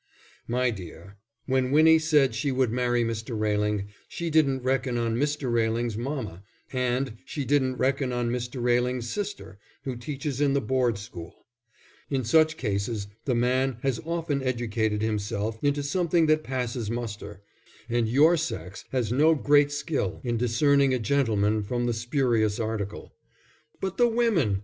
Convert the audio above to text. "My dear, when Winnie said she would marry Mr. Railing, she didn't reckon on Mr. Railing's mamma and she didn't reckon on Mr. Railing's sister who teaches in the Board School. In such cases the man has often educated himself into something that passes muster, and your sex has no great skill in discerning a gentleman from the spurious article. But the women!